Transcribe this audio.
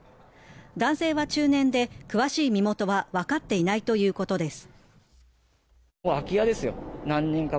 男性は中年で、詳しい身元はわかっていないということです。